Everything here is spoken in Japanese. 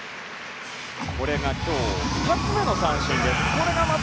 これが今日、２つ目の三振です。